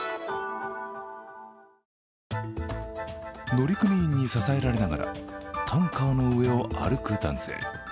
乗組員に支えられながらタンカーの上を歩く男性。